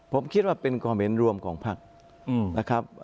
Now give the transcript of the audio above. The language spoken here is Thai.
ผมคิดว่าเป็นความเห็นรวมของภักดิ์นะครับ